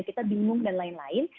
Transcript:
kita bingung dan lain lain